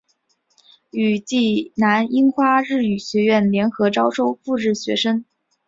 与济南樱花日语学校联合招收赴日学生。